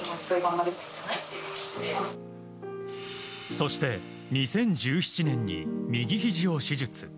そして、２０１７年に右ひじを手術。